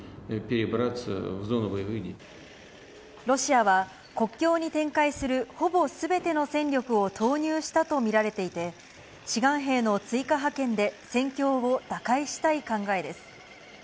ロシアは、国境に展開するほぼすべての戦力を投入したと見られていて、志願兵の追加派遣で戦況を打開したい考えです。